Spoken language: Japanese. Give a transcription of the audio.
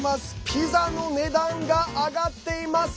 ピザの値段が上がっています。